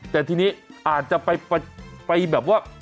แต่ทีนี้อาจจะไปแบบว่า